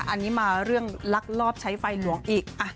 อันนี้มาเรื่องลักลอบใช้ไฟหลวงอีก